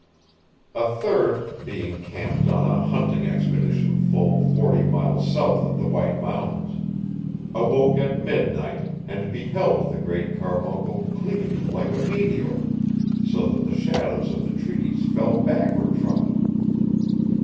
A third, being camped on a hunting expedition full forty miles south of the White Mountains, awoke at midnight, and beheld the Great Carbuncle gleaming like a meteor, so that the shadows of the trees fell backward from it.